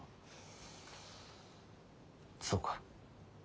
そうか。